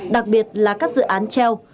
đặc biệt là các dự án treo